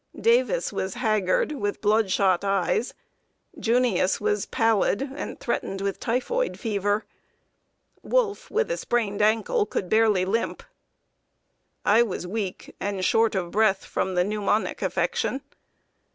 Davis was haggard, with blood shot eyes; "Junius" was pallid, and threatened with typhoid fever; Wolfe, with a sprained ankle, could barely limp; I was weak and short of breath, from the pneumonic affection.